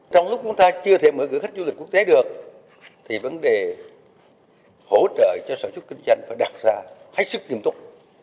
trong lúc chúng ta chưa thể mở cửa khách du lịch quốc tế được thì vấn đề hỗ trợ cho sản xuất kinh doanh phải đặt ra hết sức nghiêm túc